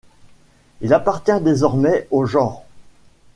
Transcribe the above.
Il appartient désormais au genre '.